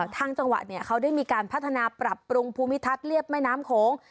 ทางจังหวัดเขาได้มีการพัฒนาปรับปรุงภูมิทัศน์เรียบแม่น้ำโขง